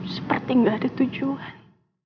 seperti gak ada tujuan